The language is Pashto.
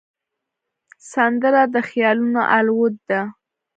سندره د خیالونو الوت ده